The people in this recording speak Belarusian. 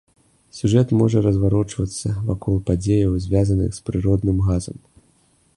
Сюжэт можа разварочвацца вакол падзеяў, звязаных з прыродным газам.